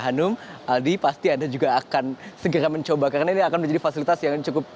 hanum aldi pasti anda juga akan segera mencoba karena ini akan menjadi fasilitas yang cukup